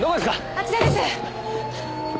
あちらです。